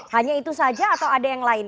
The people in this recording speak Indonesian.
hanya itu saja atau ada yang lain